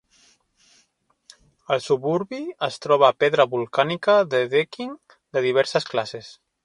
Al suburbi es troba pedra volcànica de Deakin de diverses classes.